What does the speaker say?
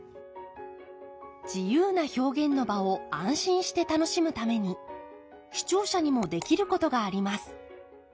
自由な表現の場を安心して楽しむために視聴者にもできることがあります。